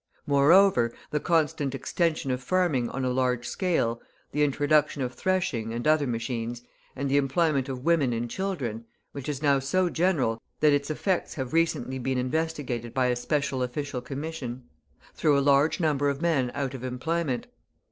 Moreover, the constant extension of farming on a large scale, the introduction of threshing and other machines, and the employment of women and children (which is now so general that its effects have recently been investigated by a special official commission), threw a large number of men out of employment.